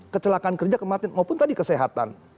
kecelakaan kerja kematian maupun tadi kesehatan